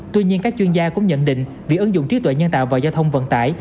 tuy nhiên các chuyên gia cũng nhận định việc ứng dụng trí tuệ nhân tạo vào giao thông vận tải